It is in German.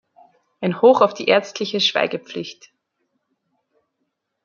Ein Hoch auf die ärztliche Schweigepflicht!